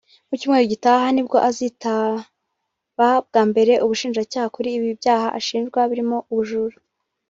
Mu cyumweru gitaha nibwo azitaba bwa mbere ubushinjacyaha kuri ibi byaha ashinjwa birimo ubujura